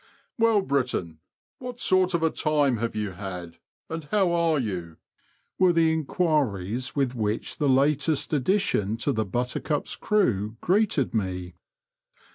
" Well, Brittain, what sort of a time have you had, and how are you ?" were the enquiries with which the latest addition to the Buttercup's crew greeted me.